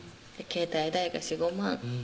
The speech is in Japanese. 携帯代が４５万